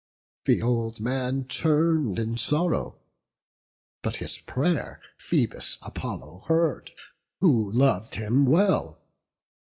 The old man turn'd in sorrow; but his pray'r Phoebus Apollo heard, who lov'd him well.